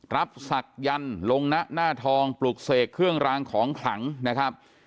ศักยันต์ลงนะหน้าทองปลุกเสกเครื่องรางของขลังนะครับ